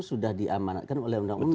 sudah diamanatkan oleh undang undang